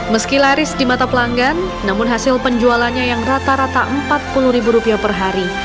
meski laris di mata pelanggan namun hasil penjualannya yang rata rata empat puluh ribu rupiah per hari